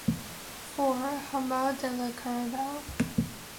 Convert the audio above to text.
Four, Hameau de la Caravelle.